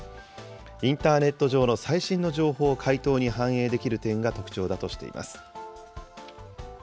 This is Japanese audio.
インターネット上の最新の情報を回答に反映できる点が特徴だとしています。